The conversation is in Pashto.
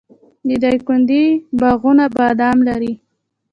د دایکنډي باغونه بادام لري.